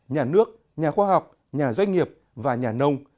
nhà nước nhà khoa học nhà doanh nghiệp và nhà nông